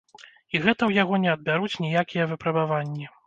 І гэта ў яго не адбяруць ніякія выпрабаванні.